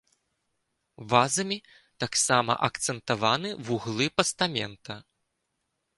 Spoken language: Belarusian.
Вазамі таксама акцэнтаваны вуглы пастамента.